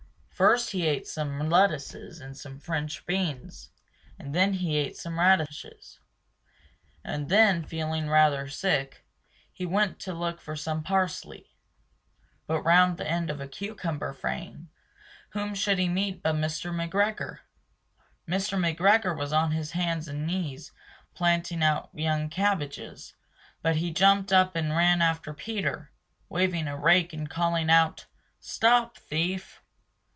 First he ate some lettuces and some French beans And then He Ate Some Radishes And then, feeling rather sick, he went to look for some parsley. But round the end of a cucumber frame, whom should he meet but Mr. McGregor! Mr. McGregor was on his hands and knees planting out young cabbages, but he jumped up and ran after Peter, waving a rake and calling out "Stop thief!"